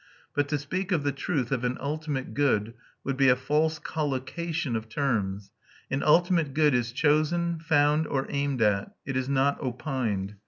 But to speak of the truth of an ultimate good would be a false collocation of terms; an ultimate good is chosen, found, or aimed at; it is not opined.